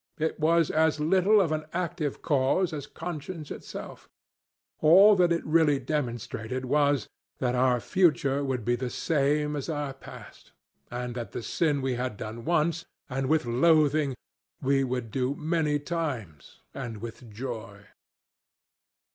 It was as little of an active cause as conscience itself. All that it really demonstrated was that our future would be the same as our past, and that the sin we had done once, and with loathing, we would do many times, and with joy.